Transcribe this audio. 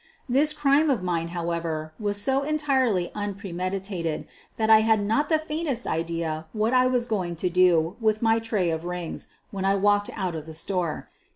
This crime of mine, however, was so entirely un premeditated that I had not the faintest idea what I was going to do with my tray of rings when I walked out of the store.